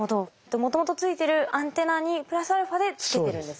もともとついてるアンテナにプラスアルファでつけてるんですね。